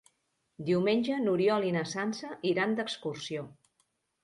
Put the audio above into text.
Diumenge n'Oriol i na Sança iran d'excursió.